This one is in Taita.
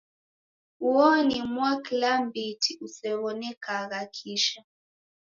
Uo ni mwaklambiti usew'onekagha kisha.